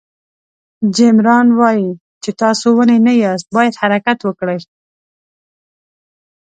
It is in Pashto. جیم ران وایي چې تاسو ونې نه یاست باید حرکت وکړئ.